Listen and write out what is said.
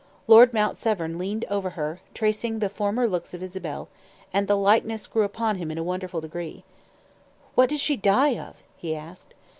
Lord Mount Severn leaned over her, tracing the former looks of Isabel; and the likeness grew upon him in a wonderful degree. "What did she die of?" he asked.